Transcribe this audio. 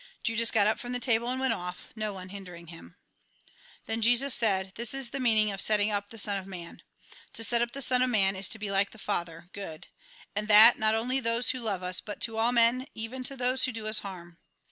Judas got up from the table and went off, no one hindering him. Tlien Jesus said :" This is the meaning of setting up the Son of Man. To set up the Son of Man is to be like the Father, good ; and that, not only to those who love us, but to all men, even to those who do us harm.